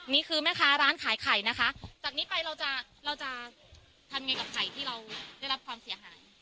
นี่คือแม่ค้าร้านขายไข่นะคะจากนี้ไปเราจะเราจะทำยังไงกับไข่ที่เราได้รับความเสียหาย